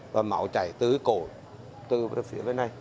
và máu chảy từ cổ từ phía bên này